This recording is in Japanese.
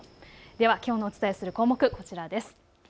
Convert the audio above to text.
きょうお伝えする項目こちらです。